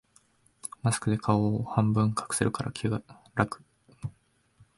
マスクで顔を半分隠せるから気が楽